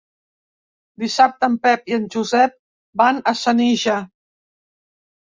Dissabte en Pep i en Josep van a Senija.